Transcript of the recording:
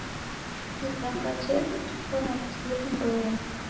Isanga jedu jeko na w'uzuri ndoenyi.